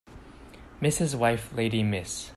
Mrs. wife lady Miss